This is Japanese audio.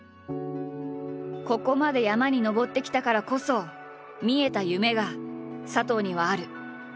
ここまで山に登ってきたからこそ見えた夢が佐藤にはある。